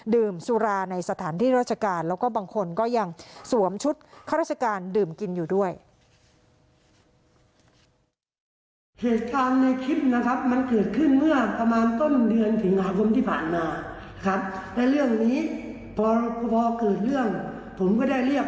ดื่มสุราในสถานที่ราชการแล้วก็บางคนก็ยังสวมชุดข้าราชการดื่มกินอยู่ด้วย